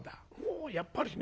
「おやっぱりね。